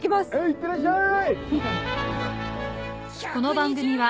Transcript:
いってらっしゃい！